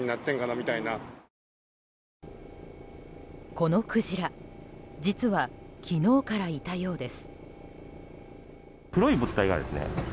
このクジラ実は昨日からいたようです。